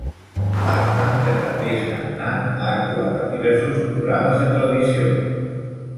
Marta, que també és cantant, ha actuat en diversos programes de televisió.